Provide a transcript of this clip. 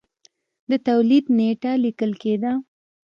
د تولید نېټه لیکل کېده.